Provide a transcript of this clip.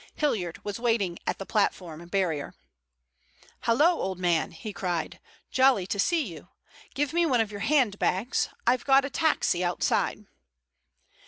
Hilliard was waiting at the platform barrier. "Hallo, old man," he cried. "Jolly to see you. Give me one of your handbags. I've got a taxi outside."